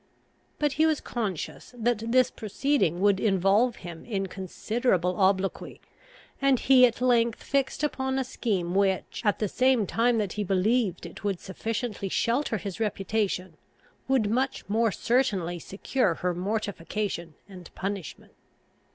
But he was conscious that this proceeding would involve him in considerable obloquy; and he at length fixed upon a scheme which, at the same time that he believed it would sufficiently shelter his reputation, would much more certainly secure her mortification and punishment.